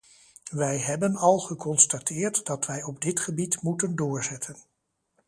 Wij hebben al geconstateerd dat wij op dit gebied moeten doorzetten.